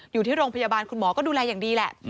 อยู่ที่โรงพยาบาลคุณหมอก็ดูแลอย่างดีแหละ